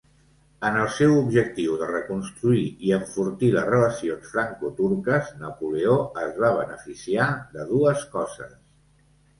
En el seu objectiu de reconstruir i enfortir les relacions franco-turques, Napoleó es va beneficiar de dues coses.